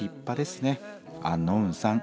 アンノウンさん。